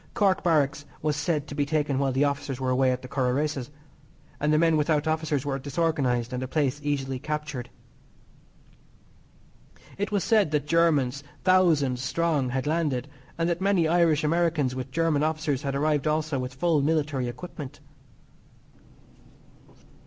Cork Barracks was said to be taken while the officers were away at the Curragh races, that the men without officers were disorganised, and the place easily captured. It was said that Germans, thousands strong, had landed, and that many Irish Americans with German officers had arrived also with full military equipment.